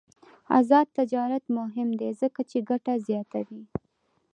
آزاد تجارت مهم دی ځکه چې ګټه زیاتوي.